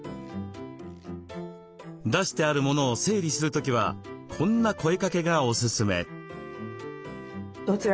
出してある物を整理する時はこんな声かけがおすすめ。